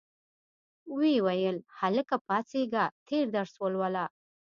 ویې ویل هلکه پاڅیږه تېر درس ولوله.